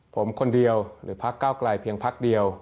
ผมคนเดียวหรือพักเก้าไกลเพียงพักเดียว